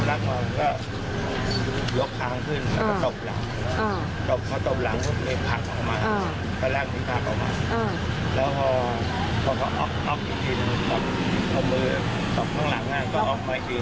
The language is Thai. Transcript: แล้วก็ตกหลังตกเขาตกหลังพักออกมาแล้วพอออกอีกทีตกข้างหลังก็ออกมาอีกที